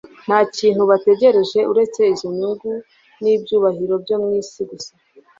nta kindi bategereje uretse izo nyungu n'ibyubahiro byo mu isi gusa.